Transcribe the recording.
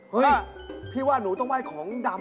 เฮ่ยพี่ว่าหนูต้องว่าของดำ